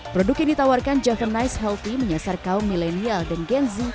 produk yang ditawarkan javanise healthy menyasar kaum milenial dan genzi